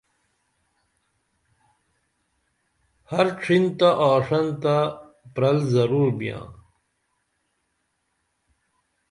ہر ڇِھن تہ آݜنتہ پرل ضرور بیاں